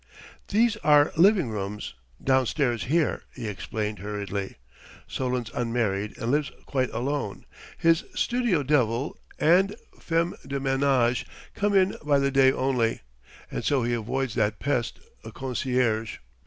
"These are living rooms, downstairs here," he explained hurriedly. "Solon's unmarried, and lives quite alone his studio devil and femme de ménage come in by the day only and so he avoids that pest a concierge.